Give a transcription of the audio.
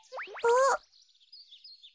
あっ。